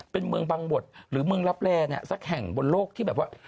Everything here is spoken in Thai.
เป็นเมืองบังบดหรือเมืองรับแร่เนี่ยสักแห่งบนโลกที่แบบว่า